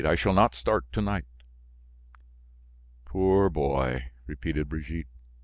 I shall not start to night." "Poor boy!" repeated Brigitte.